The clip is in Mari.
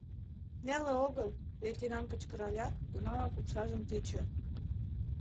— Неле огыл! — лейтенант кычкыралят, тунамак умшажым тӱчӧ.